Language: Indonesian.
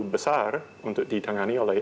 besar untuk ditangani oleh